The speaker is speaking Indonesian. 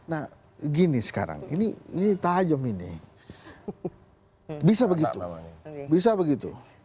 nah gini sekarang ini tajam ini bisa begitu bisa begitu